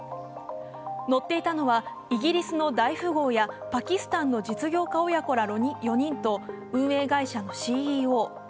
乗っていたのはイギリスの大富豪やパキスタンの実業家親子ら４人と運営会社のＣＥＯ。